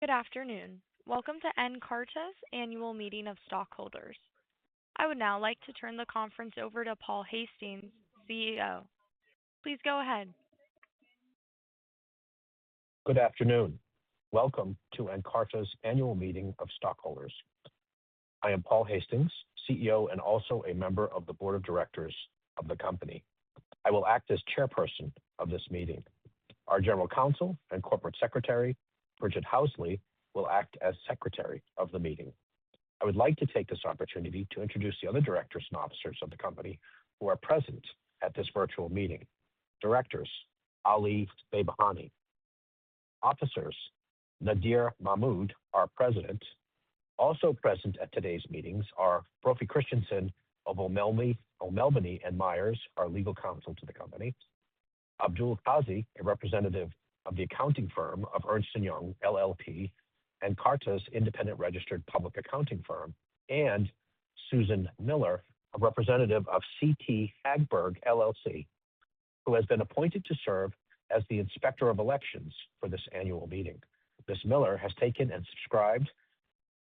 Good afternoon. Welcome to Nkarta's annual meeting of stockholders. I would now like to turn the conference over to Paul Hastings, CEO. Please go ahead. Good afternoon. Welcome to Nkarta's annual meeting of stockholders. I am Paul Hastings, CEO, and also a member of the board of directors of the company. I will act as chairperson of this meeting. Our general counsel and corporate secretary, Bridgette Housley, will act as secretary of the meeting. I would like to take this opportunity to introduce the other directors and officers of the company who are present at this virtual meeting. Directors, Ali Behbahani. Officers, Nadir Mahmood, our president. Also present at today's meetings are Brophy Christensen of O'Melveny & Myers, our legal counsel to the company, Abdul Qazi, a representative of the accounting firm of Ernst & Young, LLP, Nkarta's independent registered public accounting firm, and Susan Miller, a representative of CT Hagberg, LLC, who has been appointed to serve as the inspector of elections for this annual meeting. Ms. Miller has taken and subscribed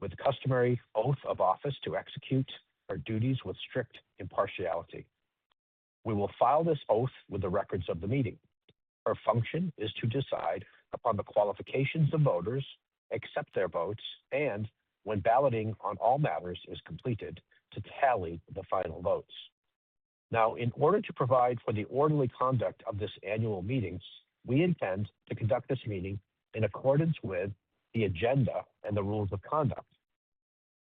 with the customary oath of office to execute her duties with strict impartiality. We will file this oath with the records of the meeting. Her function is to decide upon the qualifications of voters, accept their votes, and when balloting on all matters is completed, to tally the final votes. Now, in order to provide for the orderly conduct of this annual meeting, we intend to conduct this meeting in accordance with the agenda and the rules of conduct.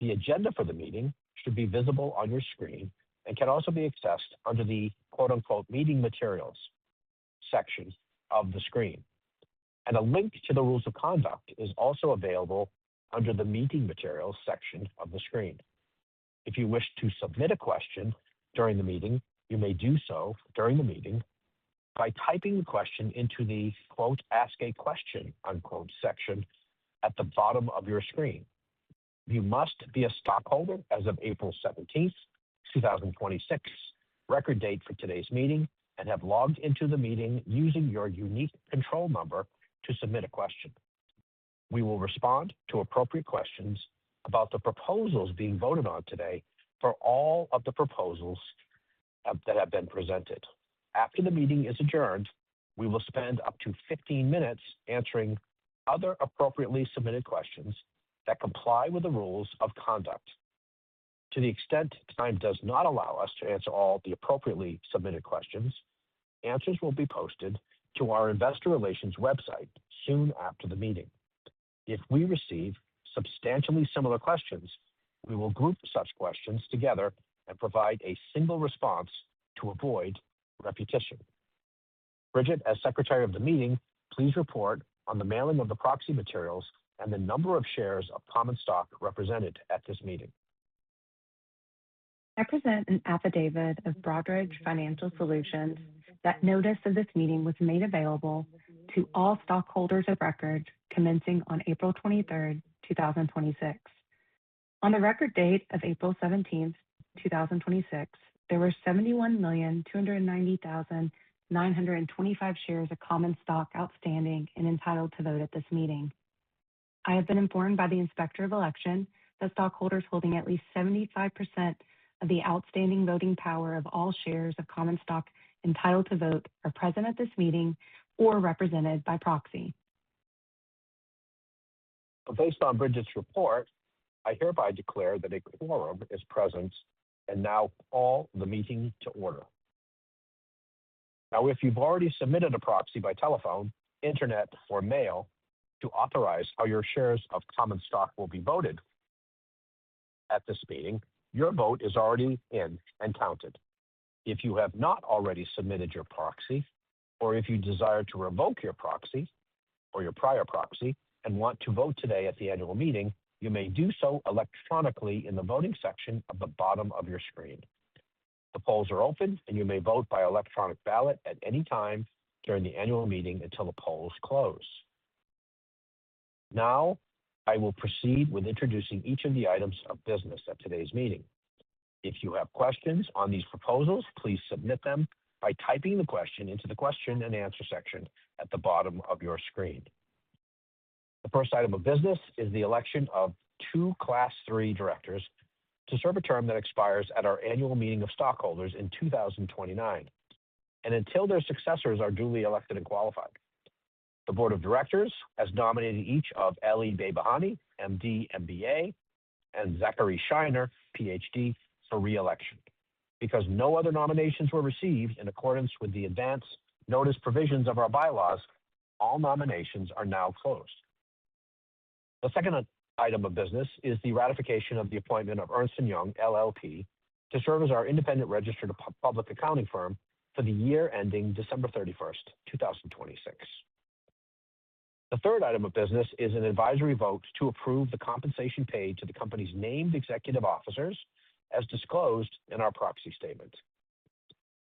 The agenda for the meeting should be visible on your screen and can also be accessed under the “Meeting Materials” section of the screen. A link to the rules of conduct is also available under the Meeting Materials section of the screen. If you wish to submit a question during the meeting, you may do so during the meeting by typing the question into the “Ask a Question” section at the bottom of your screen. You must be a stockholder as of April 17th, 2026, record date for today's meeting, and have logged into the meeting using your unique control number to submit a question. We will respond to appropriate questions about the proposals being voted on today for all of the proposals that have been presented. After the meeting is adjourned, we will spend up to 15 minutes answering other appropriately submitted questions that comply with the rules of conduct. To the extent time does not allow us to answer all the appropriately submitted questions, answers will be posted to our investor relations website soon after the meeting. If we receive substantially similar questions, we will group such questions together and provide a single response to avoid repetition. Bridgette, as secretary of the meeting, please report on the mailing of the proxy materials and the number of shares of common stock represented at this meeting. I present an affidavit of Broadridge Financial Solutions that notice of this meeting was made available to all stockholders of record commencing on April 23rd, 2026. On the record date of April 17th, 2026, there were 71,290,925 shares of common stock outstanding and entitled to vote at this meeting. I have been informed by the inspector of election that stockholders holding at least 75% of the outstanding voting power of all shares of common stock entitled to vote are present at this meeting or represented by proxy. Based on Bridgette's report, I hereby declare that a quorum is present, and now call the meeting to order. If you've already submitted a proxy by telephone, internet, or mail to authorize how your shares of common stock will be voted at this meeting, your vote is already in and counted. If you have not already submitted your proxy, or if you desire to revoke your proxy or your prior proxy and want to vote today at the annual meeting, you may do so electronically in the voting section of the bottom of your screen. The polls are open, and you may vote by electronic ballot at any time during the annual meeting until the polls close. I will proceed with introducing each of the items of business at today's meeting. If you have questions on these proposals, please submit them by typing the question into the question and answer section at the bottom of your screen. The first item of business is the election of two class 3 directors to serve a term that expires at our annual meeting of stockholders in 2029 and until their successors are duly elected and qualified. The board of directors has nominated each of Ali Behbahani, MD, MBA, and Zachary Scheiner, PhD, for re-election. No other nominations were received in accordance with the advance notice provisions of our bylaws, all nominations are now closed. The second item of business is the ratification of the appointment of Ernst & Young LLP to serve as our independent registered public accounting firm for the year ending December 31st, 2026. The third item of business is an advisory vote to approve the compensation paid to the company's named executive officers as disclosed in our proxy statement.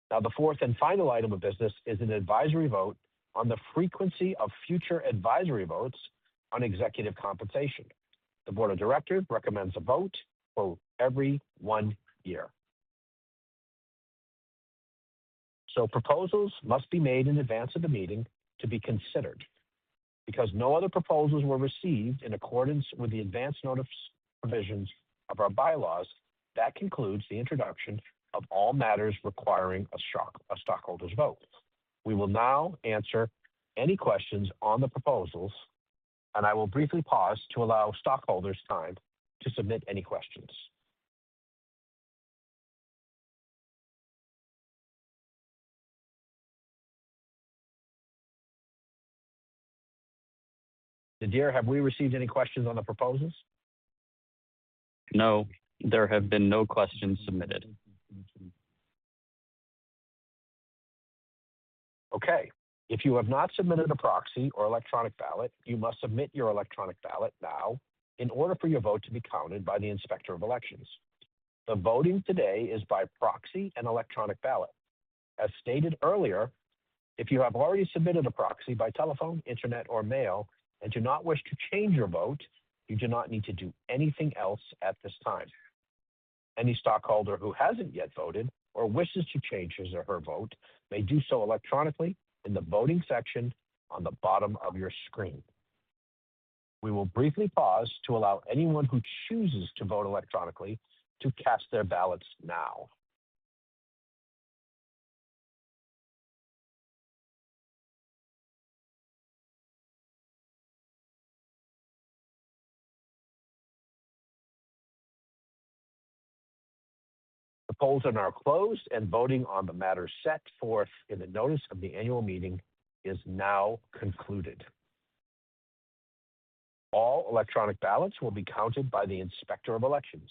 The fourth and final item of business is an advisory vote on the frequency of future advisory votes on executive compensation. The board of directors recommends a vote for every one year. Proposals must be made in advance of the meeting to be considered. Because no other proposals were received in accordance with the advance notice provisions of our bylaws, that concludes the introduction of all matters requiring a stockholders' vote. We will now answer any questions on the proposals, and I will briefly pause to allow stockholders time to submit any questions. Nadir, have we received any questions on the proposals? No. There have been no questions submitted. Okay. If you have not submitted a proxy or electronic ballot, you must submit your electronic ballot now in order for your vote to be counted by the Inspector of Elections. The voting today is by proxy and electronic ballot. As stated earlier, if you have already submitted a proxy by telephone, internet, or mail and do not wish to change your vote, you do not need to do anything else at this time. Any stockholder who hasn't yet voted or wishes to change his or her vote may do so electronically in the voting section on the bottom of your screen. We will briefly pause to allow anyone who chooses to vote electronically to cast their ballots now. The polls are now closed, and voting on the matters set forth in the notice of the annual meeting is now concluded. All electronic ballots will be counted by the Inspector of Elections.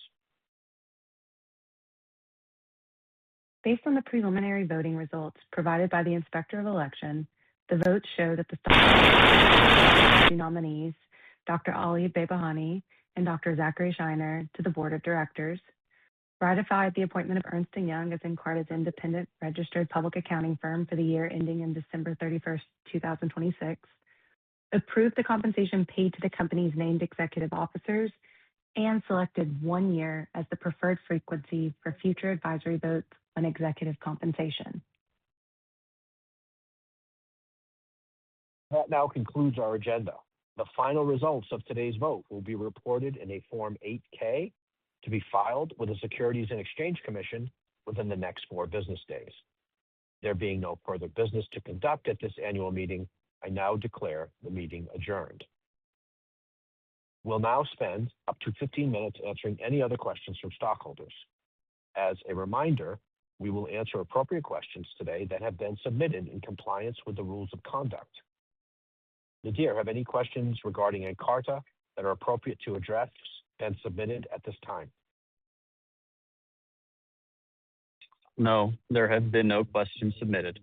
Based on the preliminary voting results provided by the Inspector of Election, the votes show that the stockholders elected the nominees, Dr. Ali Behbahani and Dr. Zachary Scheiner, to the board of directors, ratified the appointment of Ernst & Young as Nkarta's independent registered public accounting firm for the year ending in December 31st, 2026, approved the compensation paid to the company's named executive officers, and selected one year as the preferred frequency for future advisory votes on executive compensation. That now concludes our agenda. The final results of today's vote will be reported in a Form 8-K to be filed with the Securities and Exchange Commission within the next four business days. There being no further business to conduct at this annual meeting, I now declare the meeting adjourned. We'll now spend up to 15 minutes answering any other questions from stockholders. As a reminder, we will answer appropriate questions today that have been submitted in compliance with the rules of conduct. Nadir, have any questions regarding Nkarta that are appropriate to address and submitted at this time? No, there have been no questions submitted.